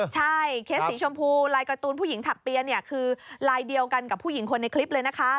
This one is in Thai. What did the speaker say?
ใช่เคสสีชมพูลายการ์ตูนผู้หญิงถักเปียเนี่ยคือลายเดียวกันกับผู้หญิงคนในคลิปเลยนะคะ